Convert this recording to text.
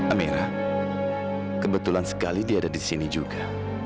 amera kebetulan sekali dia ada di sini juga